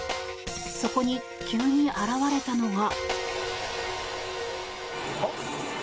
そこに、急に現れたのが。